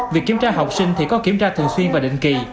việc kiểm tra học sinh thì có kiểm tra thường xuyên và định kỳ